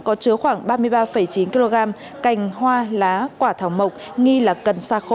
có chứa khoảng ba mươi ba chín kg cành hoa lá quả thảo mộc